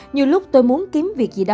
nhiều lúc tôi muốn kiếm việc gì đó